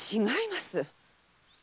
違います！